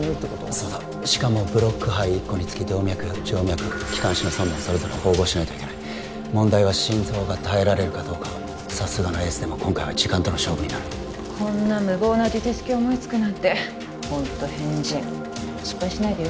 そうだしかもブロック肺一個につき動脈静脈気管支の三本をそれぞれ縫合しないといけない問題は心臓が耐えられるかどうかさすがのエースでも今回は時間との勝負になるこんな無謀な術式を思いつくなんてホント変人失敗しないでよ